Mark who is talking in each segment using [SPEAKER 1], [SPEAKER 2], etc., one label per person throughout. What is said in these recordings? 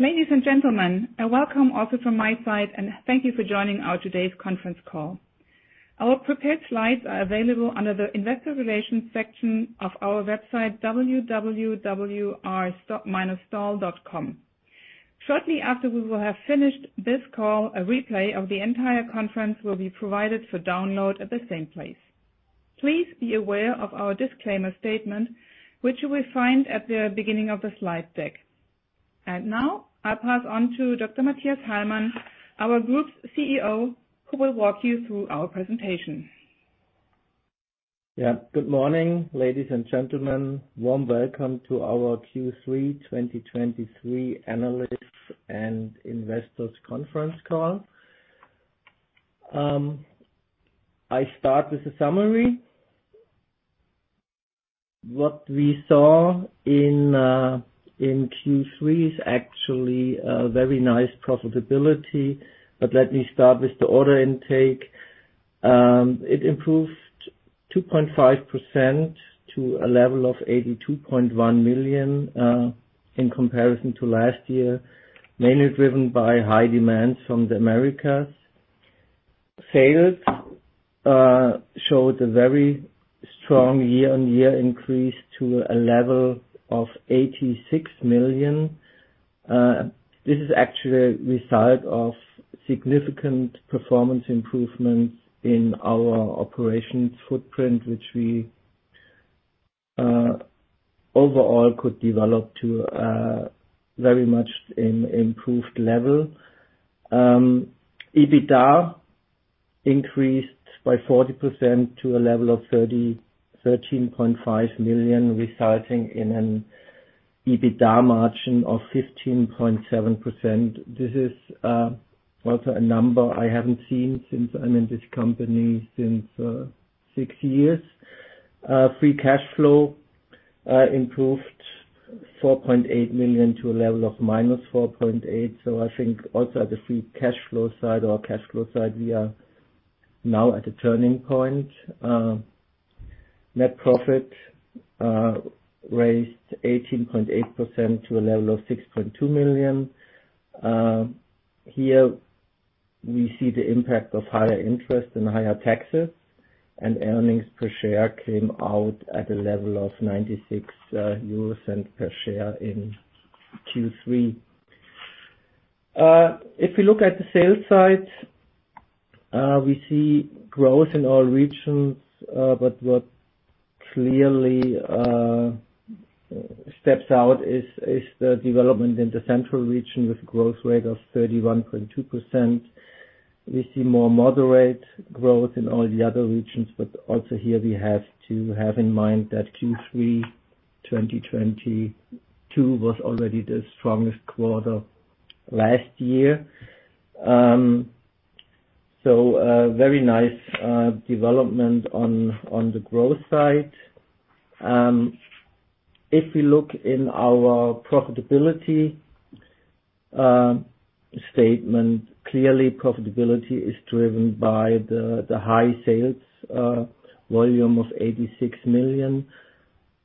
[SPEAKER 1] Ladies and gentlemen, a welcome also from my side, and thank you for joining our today's conference call. Our prepared slides are available under the Investor Relations section of our website, www.r-stahl.com. Shortly after we will have finished this call, a replay of the entire conference will be provided for download at the same place. Please be aware of our disclaimer statement, which you will find at the beginning of the slide deck. And now, I pass on to Dr. Mathias Hallmann, our Group CEO, who will walk you through our presentation.
[SPEAKER 2] Yeah. Good morning, ladies and gentlemen. Warm welcome to our Q3 2023 Analyst and Investors Conference Call. I start with a summary. What we saw in in Q3 is actually a very nice profitability, but let me start with the order intake. It improved 2.5% to a level of 82.1 million in comparison to last year, mainly driven by high demands from the Americas. Sales showed a very strong year-on-year increase to a level of 86 million. This is actually a result of significant performance improvements in our operations footprint, which we overall could develop to a very much improved level. EBITDA increased by 40% to a level of 13.5 million, resulting in an EBITDA margin of 15.7%. This is also a number I haven't seen since I'm in this company since 6 years. Free cash flow improved 4.8 million to a level of -4.8 million. So I think also at the free cash flow side or cash flow side, we are now at a turning point. Net profit raised 18.8% to a level of 6.2 million. Here we see the impact of higher interest and higher taxes, and earnings per share came out at a level of 0.96 per share in Q3. If we look at the sales side, we see growth in all regions, but what clearly steps out is the development in the Central region with growth rate of 31.2%. We see more moderate growth in all the other regions, but also here, we have to have in mind that Q3 2022 was already the strongest quarter last year. So a very nice development on the growth side. If we look in our profitability statement, clearly profitability is driven by the high sales volume of 86 million.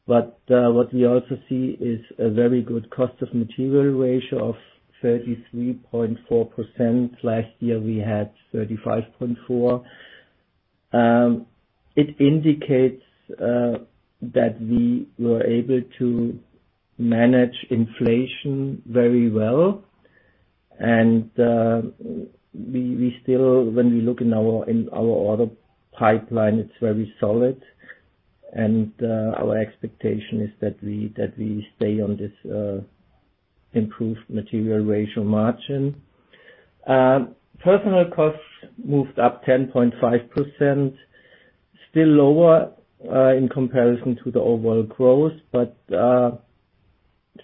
[SPEAKER 2] But what we also see is a very good cost of material ratio of 33.4%. Last year, we had 35.4%. It indicates that we were able to manage inflation very well, and we still, when we look in our order pipeline, it's very solid. Our expectation is that we stay on this improved material ratio margin. Personal costs moved up 10.5%, still lower in comparison to the overall growth, but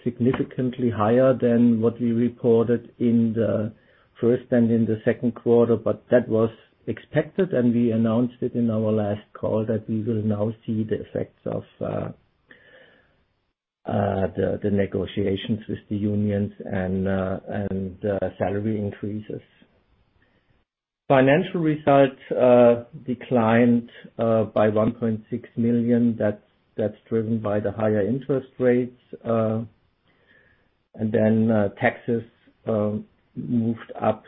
[SPEAKER 2] significantly higher than what we reported in the first and in the second quarter. But that was expected, and we announced it in our last call that we will now see the effects of the negotiations with the unions and salary increases. Financial results declined by 1.6 million. That's driven by the higher interest rates, and then taxes moved up,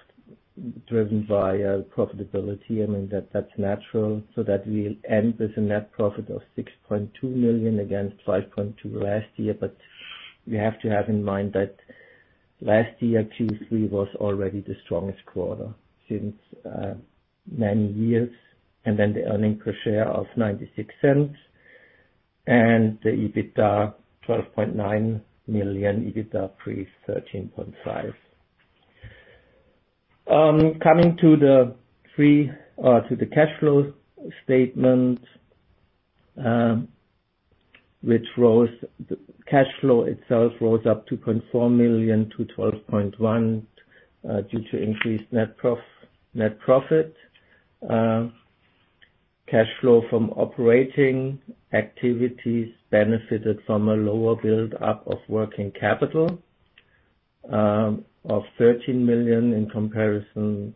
[SPEAKER 2] driven by profitability. I mean, that's natural, so that we end with a net profit of 6.2 million against 5.2 million last year. But we have to have in mind that last year, Q3 was already the strongest quarter since many years, and then the earnings per share of 0.96, and the EBITDA 12.9 million, EBITDA pre 13.5 million. Coming to the cash flow statement, which rose. The cash flow itself rose up to 0.4 million to 12.1 million due to increased net profit. Cash flow from operating activities benefited from a lower build-up of working capital of 13 million in comparison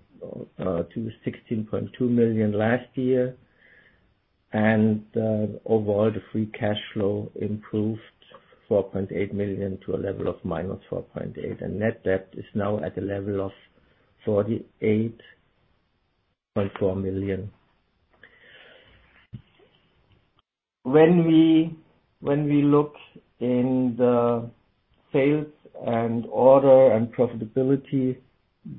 [SPEAKER 2] to 16.2 million last year. And overall, the free cash flow improved 4.8 million to a level of minus 4.8 million, and net debt is now at a level of 48.4 million. When we look in the sales and order and profitability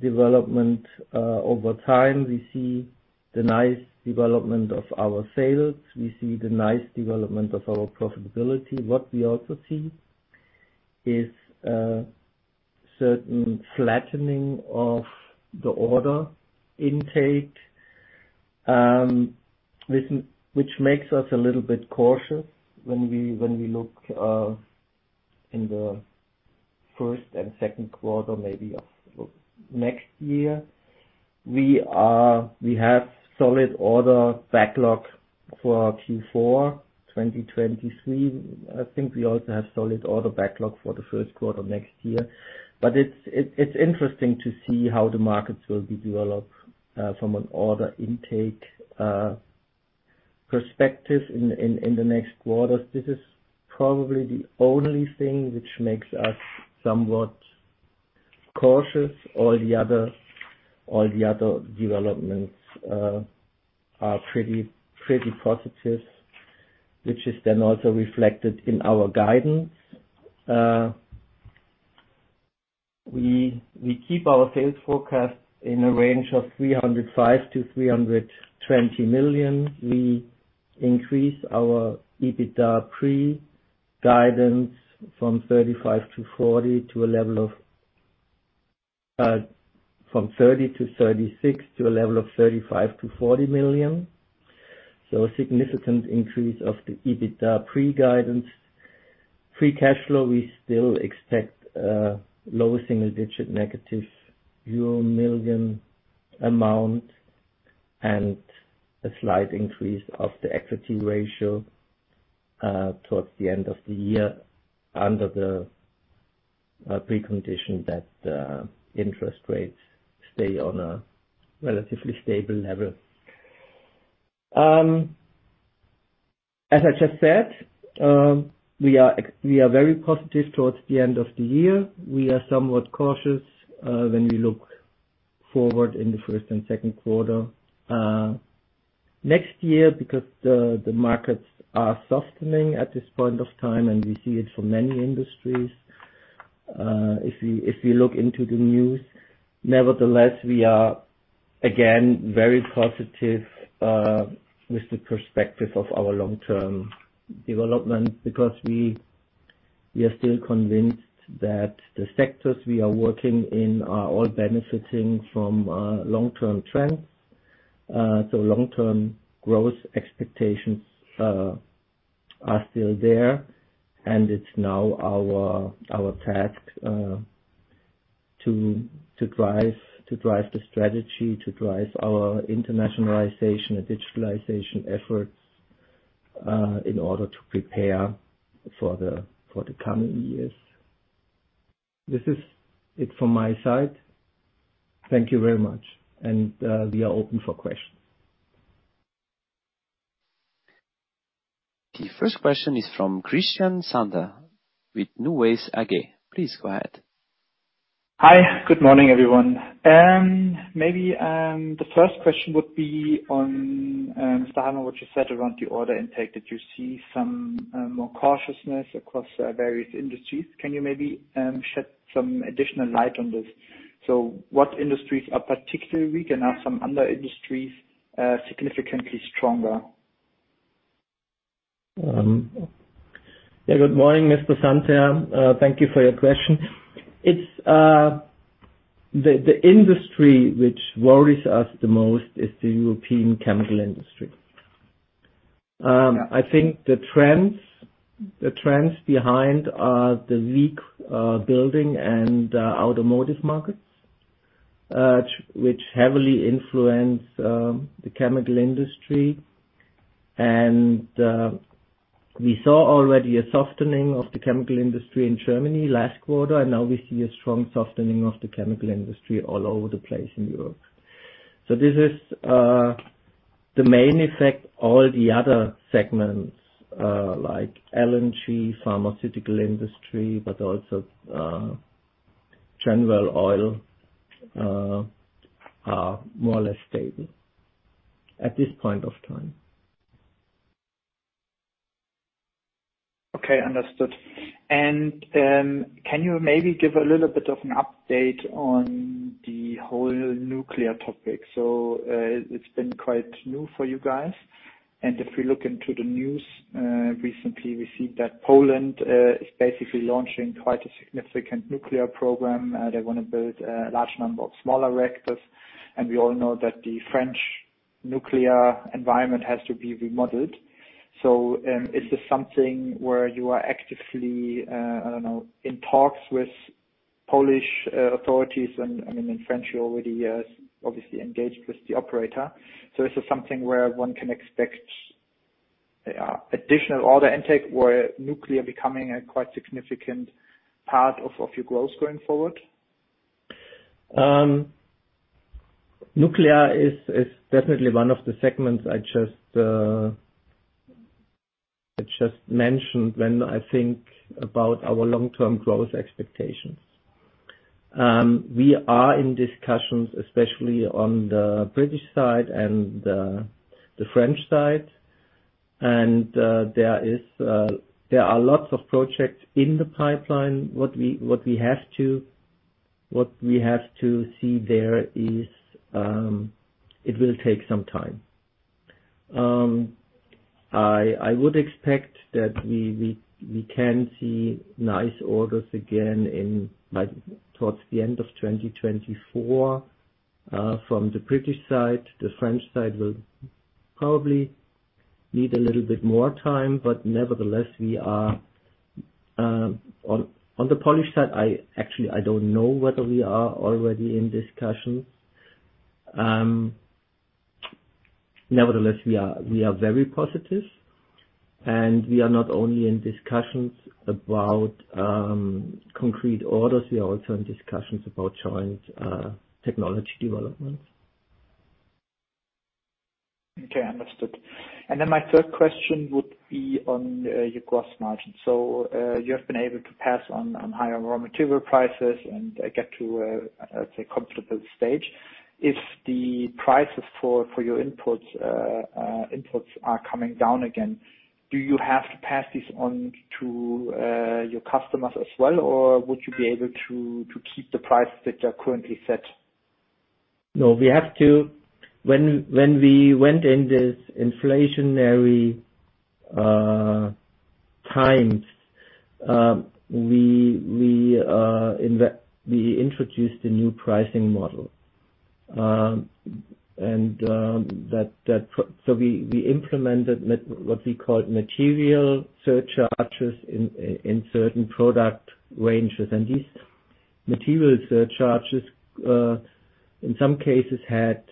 [SPEAKER 2] development over time, we see the nice development of our sales. We see the nice development of our profitability. What we also see is certain flattening of the order intake, which makes us a little bit cautious when we look in the first and second quarter, maybe of next year. We have solid order backlog for our Q4 2023. I think we also have solid order backlog for the first quarter next year. But it's interesting to see how the markets will be developed from an order intake perspective in the next quarters. This is probably the only thing which makes us somewhat cautious. All the other developments are pretty positive, which is then also reflected in our guidance. We keep our sales forecast in a range of 305-320 million. We increase our EBITDA pre-guidance from 35-40, to a level of from 30-36, to a level of 35-40 million. So a significant increase of the EBITDA pre-guidance. Free cash flow, we still expect low single-digit negative euro million amount, and a slight increase of the equity ratio towards the end of the year, under the pre-condition that the interest rates stay on a relatively stable level. As I just said, we are very positive towards the end of the year. We are somewhat cautious when we look forward in the first and second quarter next year, because the markets are softening at this point of time, and we see it for many industries if we look into the news. Nevertheless, we are again very positive with the perspective of our long-term development, because we are still convinced that the sectors we are working in are all benefiting from long-term trends. So long-term growth expectations are still there, and it's now our task to drive the strategy, to drive our internationalization and digitalization efforts in order to prepare for the coming years. This is it from my side. Thank you very much, and we are open for questions.
[SPEAKER 1] The first question is from Christian Sandner with NuWays AG. Please go ahead.
[SPEAKER 3] Hi, good morning, everyone. Maybe the first question would be on Dr. Hallmann, what you said around the order intake. Did you see some more cautiousness across various industries? Can you maybe shed some additional light on this? So what industries are particularly weak, and are some other industries significantly stronger?
[SPEAKER 2] Yeah, good morning, Mr. Sandherr. Thank you for your question. It's the industry which worries us the most is the European chemical industry.
[SPEAKER 3] Yeah.
[SPEAKER 2] I think the trends, the trends behind are the weak, building and, automotive markets, which heavily influence, the chemical industry. And, we saw already a softening of the chemical industry in Germany last quarter, and now we see a strong softening of the chemical industry all over the place in Europe. So this is, the main effect. All the other segments, like LNG, pharmaceutical industry, but also, general oil, are more or less stable at this point of time.
[SPEAKER 3] Okay, understood. And, can you maybe give a little bit of an update on the whole nuclear topic? So, it's been quite new for you guys, and if we look into the news, recently, we see that Poland is basically launching quite a significant nuclear program. They want to build a large number of smaller reactors, and we all know that the French nuclear environment has to be remodeled. So, is this something where you are actively, I don't know, in talks with Polish authorities? And, I mean, in France, you already are obviously engaged with the operator. So is this something where one can expect additional order intake, or nuclear becoming a quite significant part of your growth going forward?...
[SPEAKER 2] Nuclear is, is definitely one of the segments I just, I just mentioned when I think about our long-term growth expectations. We are in discussions, especially on the British side and the, the French side, and, there is, there are lots of projects in the pipeline. What we, what we have to, what we have to see there is, it will take some time. I, I would expect that we, we, we can see nice orders again in, like, towards the end of 2024, from the British side. The French side will probably need a little bit more time, but nevertheless, we are, on, on the Polish side, I actually, I don't know whether we are already in discussions. Nevertheless, we are, we are very positive, and we are not only in discussions about concrete orders, we are also in discussions about joint technology developments.
[SPEAKER 3] Okay, understood. And then my third question would be on your gross margin. So, you have been able to pass on higher raw material prices, and I get to, let's say, comfortable stage. If the prices for your imports are coming down again, do you have to pass this on to your customers as well? Or would you be able to keep the prices that are currently set?
[SPEAKER 2] When we went into this inflationary times, we introduced a new pricing model. So we implemented what we call material surcharges in certain product ranges. And these material surcharges in some cases had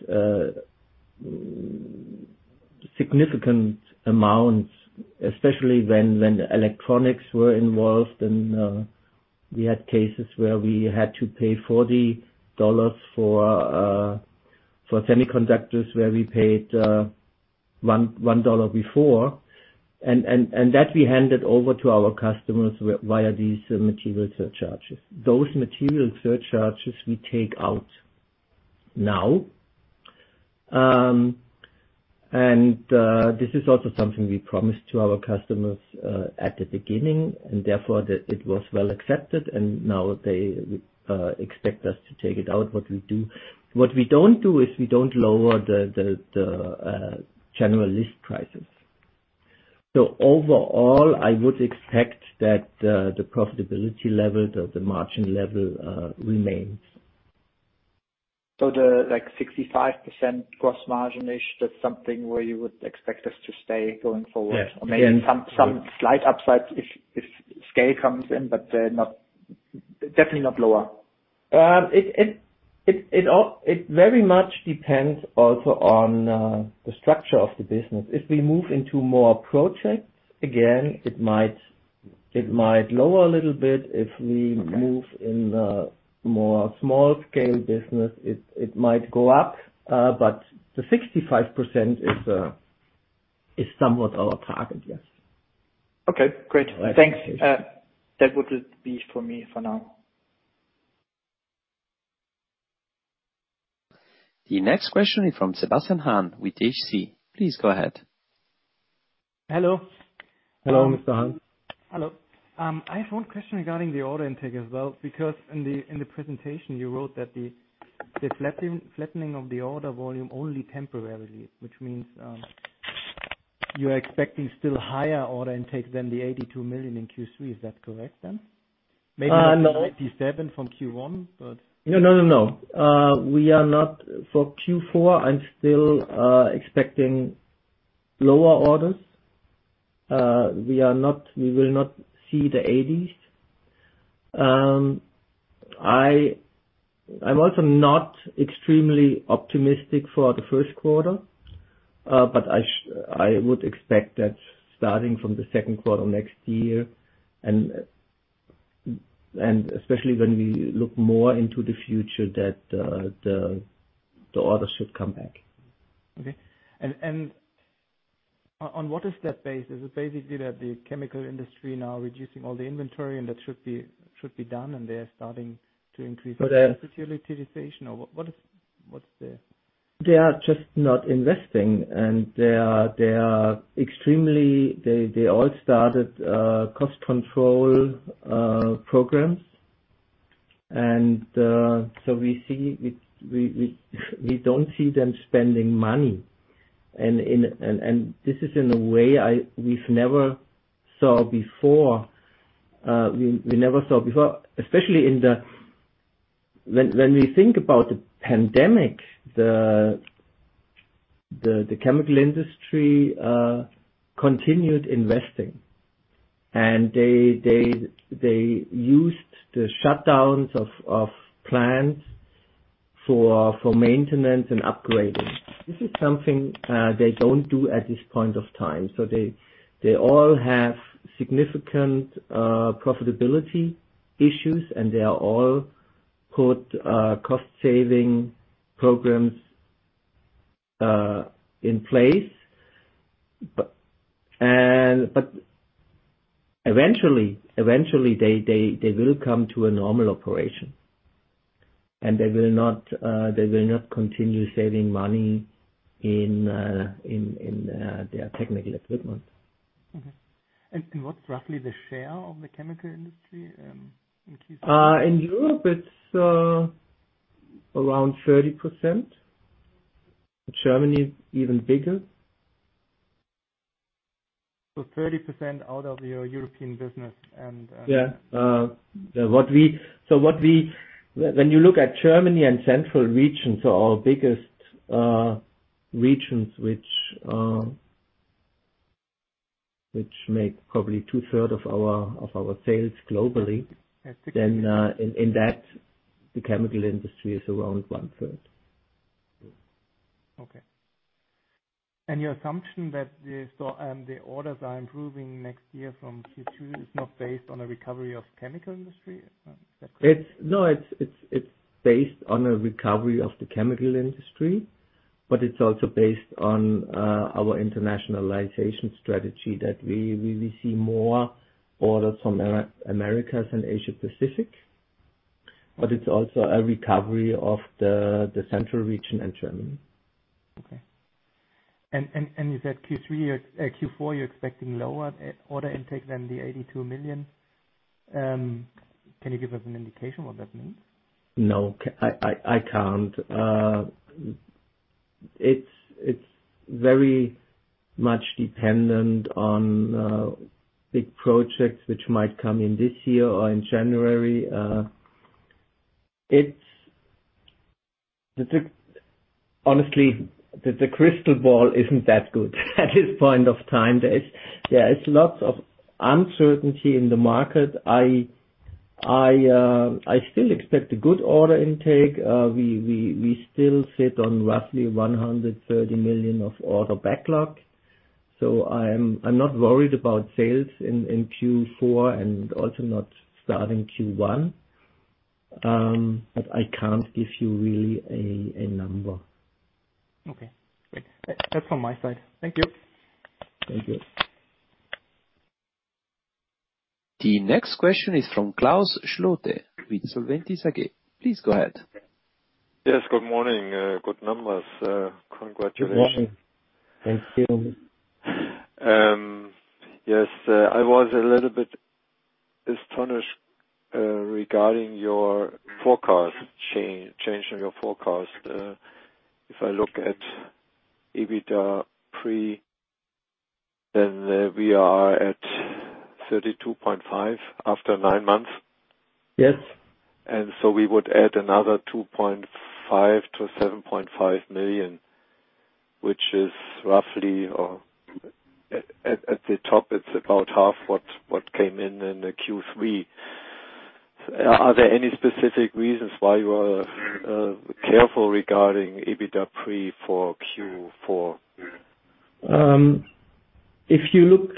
[SPEAKER 2] significant amounts, especially when the electronics were involved, and we had cases where we had to pay $40 for semiconductors, where we paid $1 before. And that we handed over to our customers via these material surcharges. Those material surcharges we take out now. And this is also something we promised to our customers at the beginning, and therefore, it was well accepted, and now they expect us to take it out, what we do. What we don't do is we don't lower the general list prices. So overall, I would expect that the profitability level or the margin level remains.
[SPEAKER 3] So the, like, 65% gross margin-ish, that's something where you would expect us to stay going forward?
[SPEAKER 2] Yes.
[SPEAKER 4] Or maybe some slight upsides if scale comes in, but definitely not lower.
[SPEAKER 2] It very much depends also on the structure of the business. If we move into more projects, again, it might lower a little bit. If we move in the more small-scale business, it might go up, but the 65% is somewhat our target, yes.
[SPEAKER 3] Okay, great.
[SPEAKER 2] All right.
[SPEAKER 3] Thanks. That would be for me for now.
[SPEAKER 2] The next question is from Sebastian Hahn with HC. Please go ahead.
[SPEAKER 5] Hello.
[SPEAKER 2] Hello, Mr. Hahn.
[SPEAKER 5] Hello. I have one question regarding the order intake as well, because in the presentation, you wrote that the flattening of the order volume only temporarily, which means, you are expecting still higher order intake than the 82 million in Q3. Is that correct then?
[SPEAKER 2] Uh, no.
[SPEAKER 5] Maybe 97 from Q1, but-
[SPEAKER 2] No, no, no, no. We are not for Q4. I'm still expecting lower orders. We are not; we will not see the eighties. I'm also not extremely optimistic for the first quarter, but I would expect that starting from the second quarter next year, and especially when we look more into the future, that the orders should come back.
[SPEAKER 5] Okay. And on what is that basis? Is it basically that the chemical industry now reducing all the inventory, and that should be done, and they are starting to increase-
[SPEAKER 2] But, uh-
[SPEAKER 5] utilization? Or what, what is, what's the...
[SPEAKER 2] They are just not investing, and they are extremely. They all started cost control programs. So we see. We don't see them spending money. And this is in a way we've never saw before, we never saw before, especially in the. When we think about the pandemic, the chemical industry continued investing, and they used the shutdowns of plants for maintenance and upgrading. This is something they don't do at this point of time. So they all have significant profitability issues, and they are all put cost saving programs in place. But eventually, they will come to a normal operation. They will not continue saving money in their technical equipment.
[SPEAKER 5] Okay. And what's roughly the share of the chemical industry, which is-
[SPEAKER 2] In Europe, it's around 30%. Germany, even bigger.
[SPEAKER 5] So 30% out of your European business, and
[SPEAKER 2] Yeah. So when you look at Germany and Central regions, so our biggest regions, which make probably two-thirds of our sales globally, then in that, the chemical industry is around one-third.
[SPEAKER 5] Okay. Your assumption that the orders are improving next year from Q2 is not based on a recovery of chemical industry? Is that correct.
[SPEAKER 2] It's based on a recovery of the chemical industry, but it's also based on our internationalization strategy, that we will see more orders from Americas and Asia Pacific, but it's also a recovery of the Central region and Germany.
[SPEAKER 5] Okay. And you said Q3 or Q4, you're expecting lower order intake than the 82 million. Can you give us an indication what that means?
[SPEAKER 2] No, I can't. It's very much dependent on big projects which might come in this year or in January. It's honestly the crystal ball isn't that good at this point of time. There is lots of uncertainty in the market. I still expect a good order intake. We still sit on roughly 130 million of order backlog, so I'm not worried about sales in Q4 and also not starting Q1. But I can't give you really a number.
[SPEAKER 5] Okay, great. That's from my side. Thank you.
[SPEAKER 2] Thank you.
[SPEAKER 1] The next question is from Klaus Schlote with Solventis AG. Please go ahead.
[SPEAKER 6] Yes, good morning. Good numbers. Congratulations.
[SPEAKER 2] Good morning. Thank you.
[SPEAKER 6] Yes, I was a little bit astonished regarding your forecast change, change in your forecast. If I look at EBITDA pre, then we are at 32.5 after 9 months.
[SPEAKER 2] Yes.
[SPEAKER 6] And so we would add another 2.5 million-7.5 million, which is roughly, or at the top, it's about half what came in in the Q3. Are there any specific reasons why you are careful regarding EBITDA pre for Q4?
[SPEAKER 2] If you look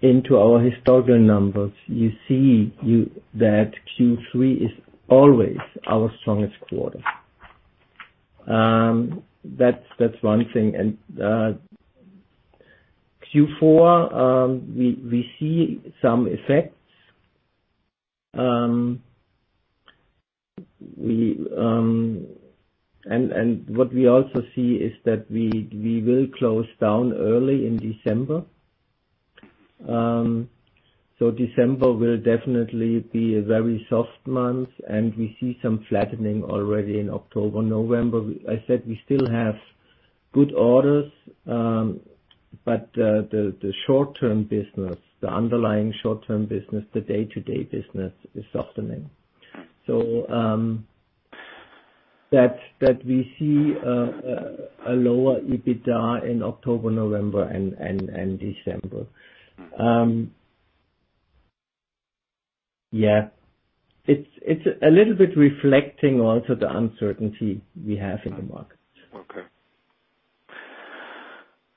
[SPEAKER 2] into our historical numbers, you see that Q3 is always our strongest quarter. That's one thing. And Q4, we see some effects. And what we also see is that we will close down early in December. So December will definitely be a very soft month, and we see some flattening already in October, November. I said we still have good orders, but the short-term business, the underlying short-term business, the day-to-day business, is softening. So that we see a lower EBITDA in October, November and December. Yeah, it's a little bit reflecting also the uncertainty we have in the market.
[SPEAKER 6] Okay.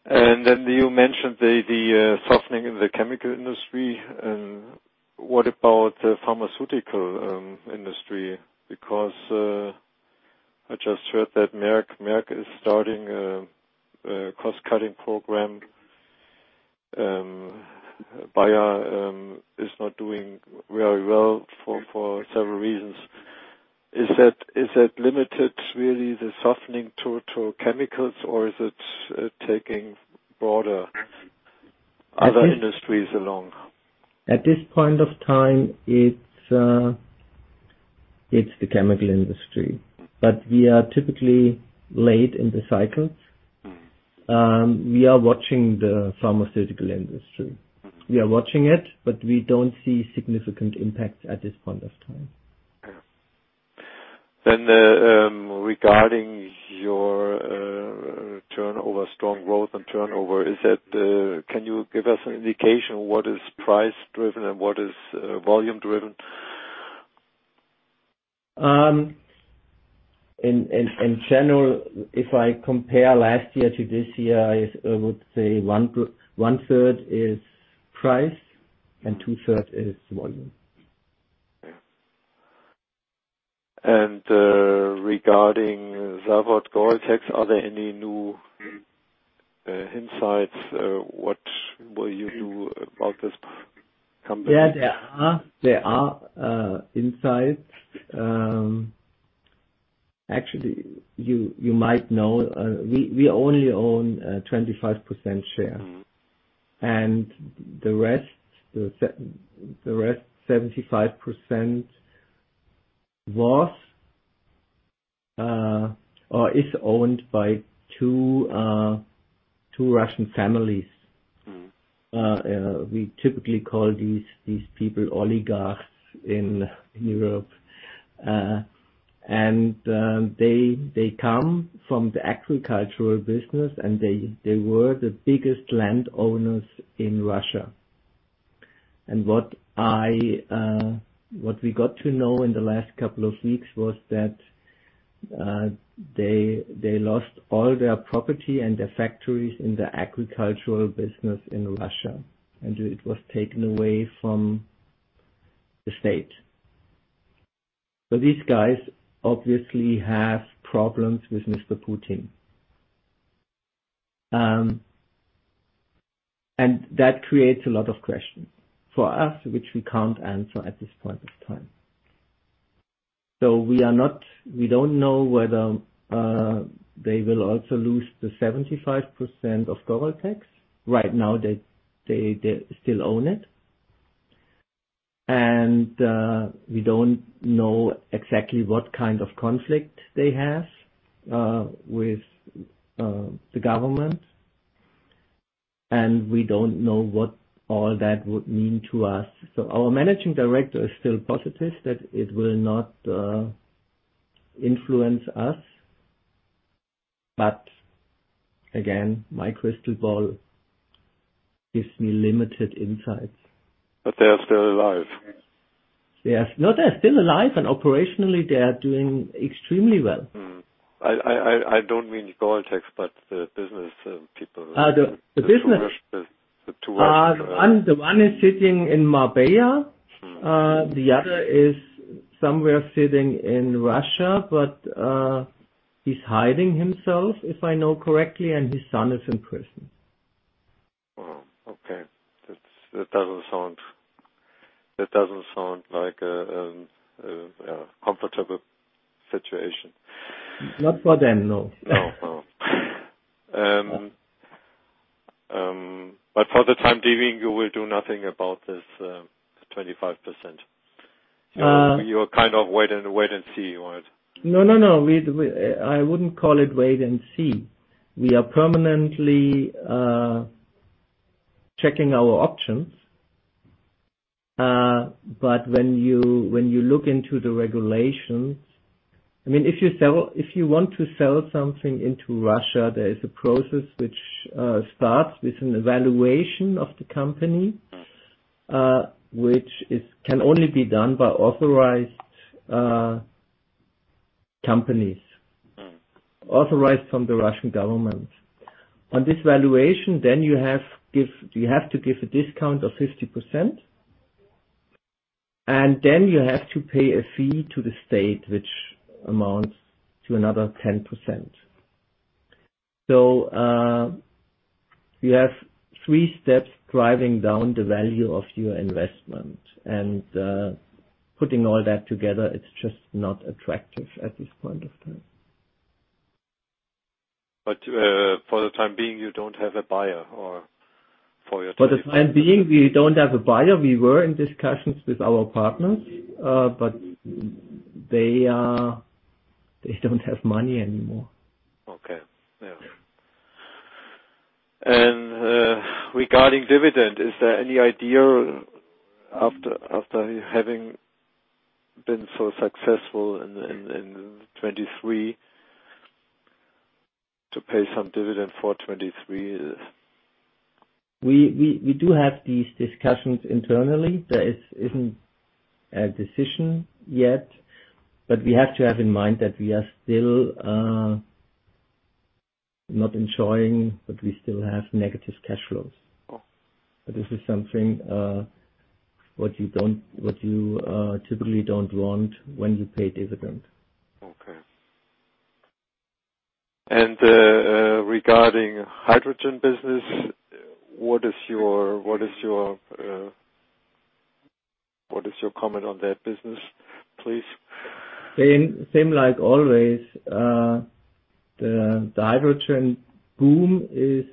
[SPEAKER 6] And then you mentioned the softening in the chemical industry. And what about the pharmaceutical industry? Because I just heard that Merck is starting a cost-cutting program. Bayer is not doing very well for several reasons. Is that limited really the softening to chemicals, or is it taking broader other industries along?
[SPEAKER 2] At this point of time, it's, it's the chemical industry, but we are typically late in the cycle.
[SPEAKER 6] Mm.
[SPEAKER 2] We are watching the pharmaceutical industry.
[SPEAKER 6] Mm-hmm.
[SPEAKER 2] We are watching it, but we don't see significant impacts at this point of time.
[SPEAKER 6] Yeah. Then, regarding your turnover, strong growth and turnover. Is that, can you give us an indication of what is price-driven and what is volume-driven?
[SPEAKER 2] In general, if I compare last year to this year, I would say one-third is price, and two-thirds is volume.
[SPEAKER 6] Regarding Zavod Goreltex, are there any new insights? What will you do about this company?
[SPEAKER 2] Yeah, there are. There are insights. Actually, you might know, we only own 25% share.
[SPEAKER 6] Mm-hmm.
[SPEAKER 2] The rest, 75% was, or is owned by two Russian families.
[SPEAKER 6] Mm-hmm.
[SPEAKER 2] We typically call these people oligarchs in Europe. And they come from the agricultural business, and they were the biggest landowners in Russia. And what we got to know in the last couple of weeks was that they lost all their property and their factories in the agricultural business in Russia, and it was taken away from the state. So these guys obviously have problems with Mr. Putin. And that creates a lot of questions for us, which we can't answer at this point of time. So we don't know whether they will also lose the 75% of Goreltex. Right now, they still own it. We don't know exactly what kind of conflict they have with the government, and we don't know what all that would mean to us. So our managing director is still positive that it will not influence us. But again, my crystal ball gives me limited insights.
[SPEAKER 6] But they are still alive?
[SPEAKER 2] Yes. No, they're still alive, and operationally, they are doing extremely well.
[SPEAKER 6] Mm-hmm. I don't mean Goreltex, but the business, people-
[SPEAKER 2] The business-
[SPEAKER 6] The two Russian-
[SPEAKER 2] One, the one is sitting in Marbella.
[SPEAKER 6] Mm-hmm.
[SPEAKER 2] The other is somewhere sitting in Russia, but he's hiding himself, if I know correctly, and his son is in prison.
[SPEAKER 6] Oh, okay. That doesn't sound like a comfortable situation.
[SPEAKER 2] Not for them, no.
[SPEAKER 6] No. No. But for the time being, you will do nothing about this, 25%.
[SPEAKER 2] Uh-
[SPEAKER 6] You're kind of wait and see, right?
[SPEAKER 2] No, no, no. I wouldn't call it wait and see. We are permanently checking our options. But when you look into the regulations—I mean, if you sell—If you want to sell something into Russia, there is a process which starts with an evaluation of the company-
[SPEAKER 6] Mm.
[SPEAKER 2] which is, can only be done by authorized, companies.
[SPEAKER 6] Mm.
[SPEAKER 2] Authorization from the Russian government. On this valuation, then you have to give a discount of 50%, and then you have to pay a fee to the state, which amounts to another 10%. So, you have three steps driving down the value of your investment, and, putting all that together, it's just not attractive at this point of time.
[SPEAKER 6] But, for the time being, you don't have a buyer or for your-
[SPEAKER 2] For the time being, we don't have a buyer. We were in discussions with our partners, but they, they don't have money anymore.
[SPEAKER 6] Okay. Yeah. And regarding dividend, is there any idea, after having been so successful in 2023, to pay some dividend for 2023?
[SPEAKER 2] We do have these discussions internally. There isn't a decision yet, but we have to have in mind that we are still not ensuring, but we still have negative cash flows.
[SPEAKER 6] Oh.
[SPEAKER 2] But this is something, what you typically don't want when you pay dividend.
[SPEAKER 6] Okay. Regarding hydrogen business, what is your comment on that business, please?
[SPEAKER 2] Same, same like always. The hydrogen boom is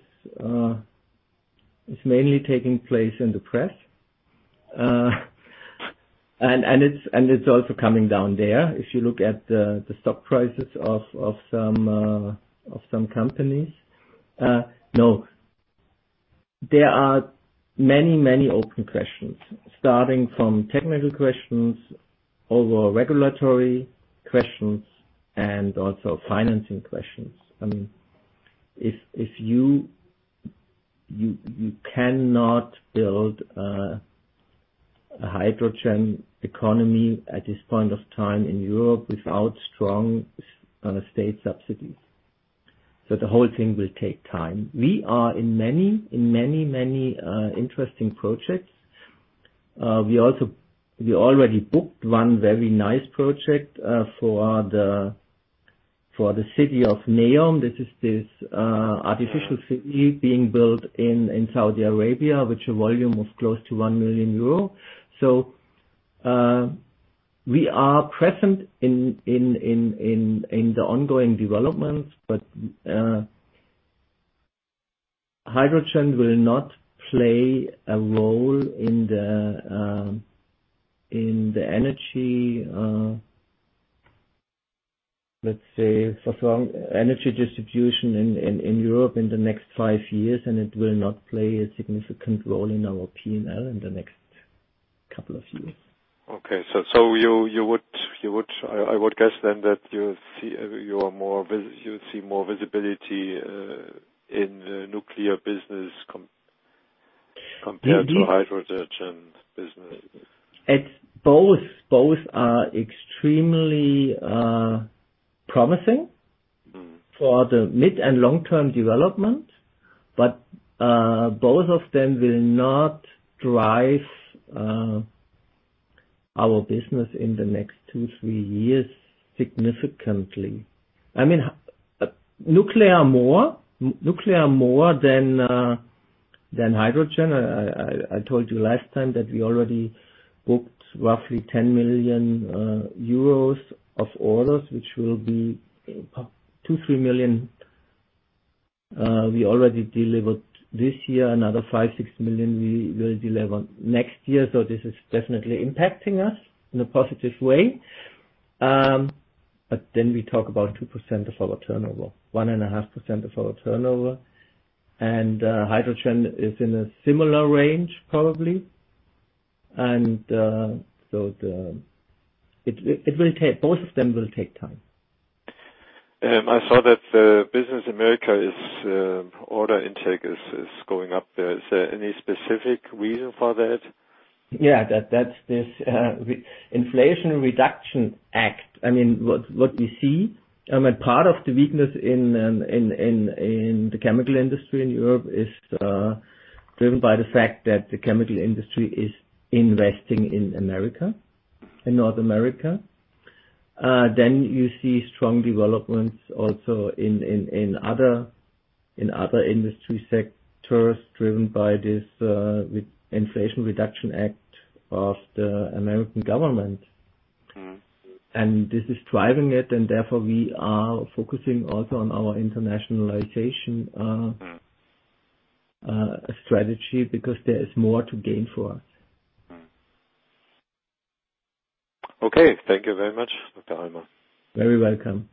[SPEAKER 2] mainly taking place in the press. And it's also coming down there. If you look at the stock prices of some companies. There are many open questions, starting from technical questions, over regulatory questions, and also financing questions. I mean, if you cannot build a hydrogen economy at this point of time in Europe without strong state subsidies. So the whole thing will take time. We are in many interesting projects. We also already booked one very nice project for the city of NEOM. This is the artificial city being built in Saudi Arabia, with a volume of close to 1 million euro. So, we are present in the ongoing developments, but hydrogen will not play a role in the energy, let's say, for strong energy distribution in Europe in the next five years, and it will not play a significant role in our P&L in the next couple of years.
[SPEAKER 6] Okay. So you would... I would guess then that you see more visibility in the nuclear business compared to hydrogen business.
[SPEAKER 2] It's both, both are extremely, promising-
[SPEAKER 6] Mm.
[SPEAKER 2] for the mid and long-term development, but both of them will not drive our business in the next 2-3 years significantly. I mean, nuclear more than hydrogen. I told you last time that we already booked roughly 10 million euros of orders, which will be 2-3 million. We already delivered this year, another 5-6 million we will deliver next year. So this is definitely impacting us in a positive way. But then we talk about 2% of our turnover, 1.5% of our turnover. And hydrogen is in a similar range, probably. And so the. It will take, both of them will take time.
[SPEAKER 6] I saw that the business Americas is, order intake is going up. Is there any specific reason for that?
[SPEAKER 2] Yeah, that, that's this, Inflation Reduction Act. I mean, what we see, I mean, part of the weakness in the chemical industry in Europe is driven by the fact that the chemical industry is investing in America, in North America. Then you see strong developments also in other industry sectors, driven by this, with Inflation Reduction Act of the American government.
[SPEAKER 6] Mm.
[SPEAKER 2] This is driving it, and therefore, we are focusing also on our internationalization.
[SPEAKER 6] Mm.
[SPEAKER 2] Strategy, because there is more to gain for us.
[SPEAKER 6] Okay, thank you very much, Dr. Mathias Hallmann.
[SPEAKER 2] Very welcome.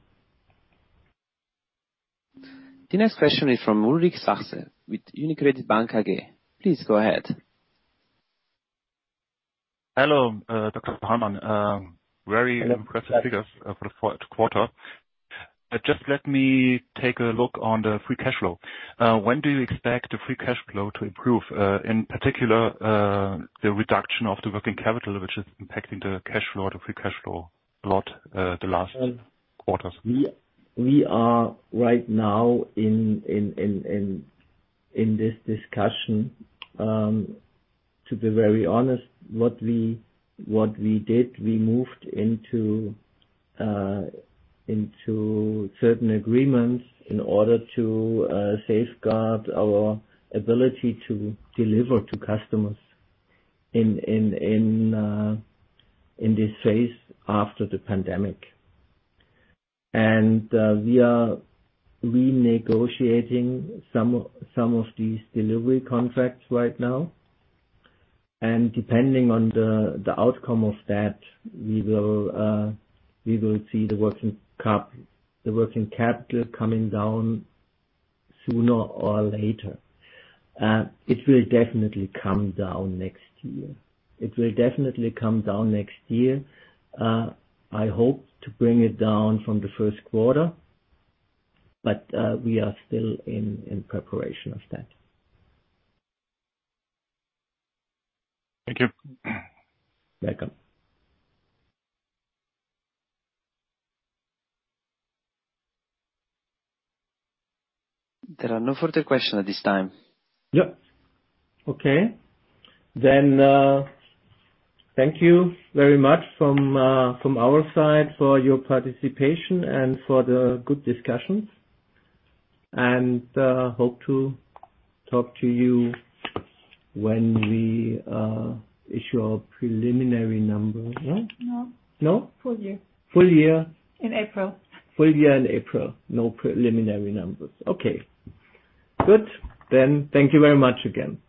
[SPEAKER 1] The next question is from Ulrich Sachse, with UniCredit Bank AG. Please go ahead.
[SPEAKER 7] Hello, Dr. Mathias Hallmann. Very impressive figures for the fourth quarter. Just let me take a look on the free cash flow. When do you expect the free cash flow to improve? In particular, the reduction of the working capital, which is impacting the cash flow, the free cash flow, a lot, the last quarters.
[SPEAKER 2] We are right now in this discussion. To be very honest, what we did, we moved into certain agreements in order to safeguard our ability to deliver to customers in this phase after the pandemic. And we are renegotiating some of these delivery contracts right now. And depending on the outcome of that, we will see the working cap, the working capital coming down sooner or later. It will definitely come down next year. It will definitely come down next year. I hope to bring it down from the first quarter, but we are still in preparation of that.
[SPEAKER 7] Thank you.
[SPEAKER 2] Welcome.
[SPEAKER 1] There are no further questions at this time.
[SPEAKER 2] Yep. Okay. Thank you very much from our side for your participation and for the good discussions. Hope to talk to you when we issue our preliminary number. Yeah?
[SPEAKER 1] No.
[SPEAKER 2] No?
[SPEAKER 1] Full year.
[SPEAKER 2] Full year?
[SPEAKER 1] In April.
[SPEAKER 2] Full year in April. No preliminary numbers. Okay, good. Then thank you very much again. Bye.